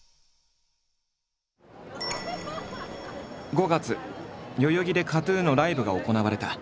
５月代々木でＫＡＴ−ＴＵＮのライブが行われた。